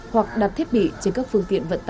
hoặc đặt thiết bị trên các phương tiện vận tải